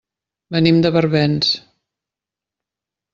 Venim de Barbens.